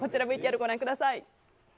ＶＴＲご覧ください。